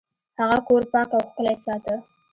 هغه کور پاک او ښکلی ساته.